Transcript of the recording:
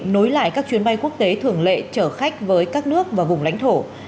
nối lại các chuyến bay quốc tế thường lệ chở khách với các nước và vùng lãnh thổ